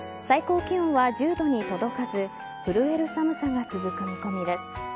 最高気温は１０度に届かず震える寒さが続く見込みです。